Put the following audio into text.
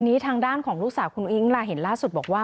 ทางด้านของลูกสาวคุณอุ้งลาเห็นล่าสุดบอกว่า